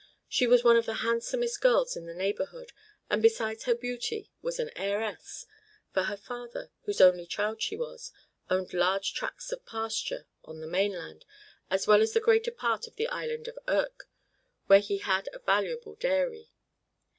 She was one of the handsomest girls in the neighborhood, and besides her beauty was an heiress; for her father, whose only child she was, owned large tracts of pasture on the mainland, as well as the greater part of the island of Urk, where he had a valuable dairy.